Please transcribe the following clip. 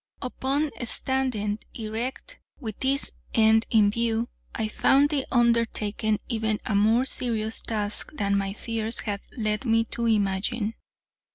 Upon standing erect, with this end in view, I found the undertaking even a more serious task than my fears had led me to imagine.